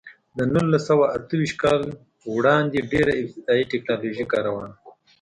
د نولس سوه اته ویشت کال وړاندې ډېره ابتدايي ټکنالوژي کار وله.